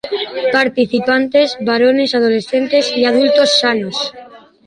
Participantes: Varones adolescentes y adultos sanos.